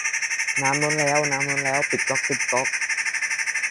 น้ำล้นแล้ว น้ำล้นแล้ว ปิดก๊อก ปิดก๊อก